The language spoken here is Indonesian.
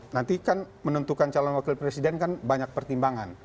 nanti kan menentukan calon wakil presiden kan banyak pertimbangan